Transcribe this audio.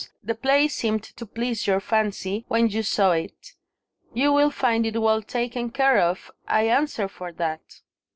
The place seemed to please your fancy, when you saw it. You will find it well taken care of, I answer for that."